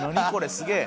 すげえ。